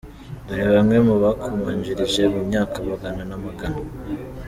Dore bamwe mu bakubanjirije mu myaka amagana namagana.